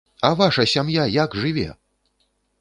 А ваша сям'я як жыве!